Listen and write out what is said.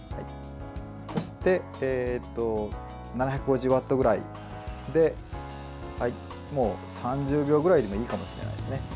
そして、７５０ワットぐらいで３０秒くらいでいいかもしれないですね。